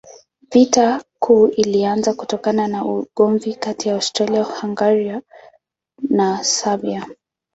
Vita Kuu ilianza kutokana na ugomvi kati ya Austria-Hungaria na Serbia.